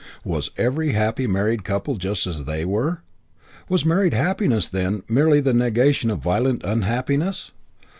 Was every happy married couple just what they were? Was married happiness, then, merely the negation of violent unhappiness?